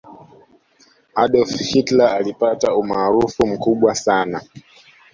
adolf hitler alipata umaarufu mkubwa sana